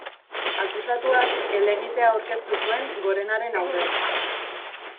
Akusatuak helegitea aurkeztu zuen Gorenaren aurrean.